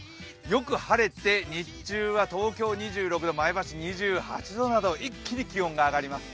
よく晴れて、日中は東京２６度、前橋２８度など、一気に気温が上がります。